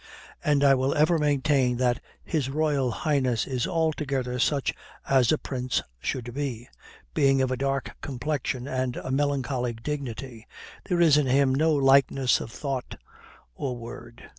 And I will ever maintain that His Royal Highness is altogether such as a prince should be. Being of a dark complexion and a melancholy dignity, there is in him no lightness of thought or word.